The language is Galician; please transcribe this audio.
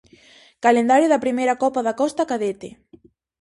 Calendario da primeira Copa da Costa cadete.